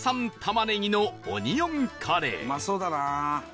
「うまそうだな」